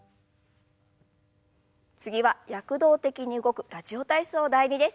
次は躍動的に動く「ラジオ体操第２」です。